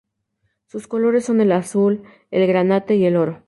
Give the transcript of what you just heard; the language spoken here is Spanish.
Sus colores son el azul, el granate y el oro.